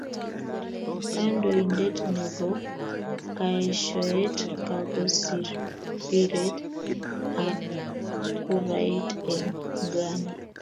Kandoidet nebo kaeshoet kako siir pireet ap kurait eng ghana